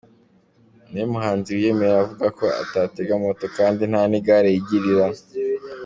Niwe muhanzi wiyemera avuga ko atatega moto kandi nta n’igare yigirira.